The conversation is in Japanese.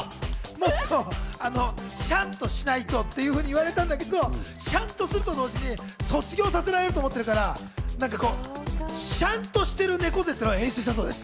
もっとしゃんとしないとって言われたんだけど、しゃんとすると同時に卒業させられると思ってるからしゃんとしてる猫背っていうのを演出したそうです。